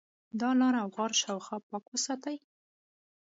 د ا لاره او غار شاوخوا پاک وساتئ.